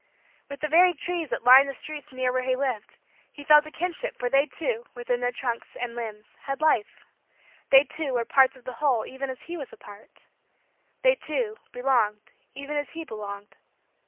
With the very trees that lined the streets near where he lived, he felt a kinship for they, too, within their trunks and limbs, had life they, too, were parts of the whole even as he was a part they, too, belonged even as he belonged.